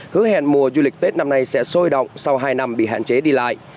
các ngành mùa du lịch tết năm nay sẽ sôi động sau hai năm bị hạn chế đi lại